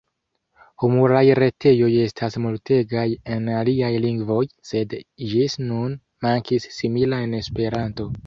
Humuraj retejoj estas multegaj en aliaj lingvoj, sed ĝis nun mankis simila en Esperanto.